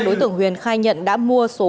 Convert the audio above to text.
đối tượng huyền khai nhận đã mua số